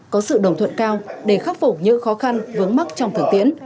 có sự đồng thuận cao để khắc phục những khó khăn vướng mắc trong thử tiễn